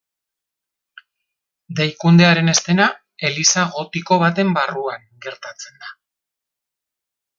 Deikundearen eszena eliza gotiko baten barruan gertatzen da.